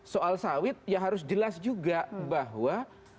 soal sawit ya harus jelas juga bahwa